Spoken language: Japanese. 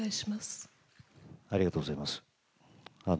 ありがとうございます。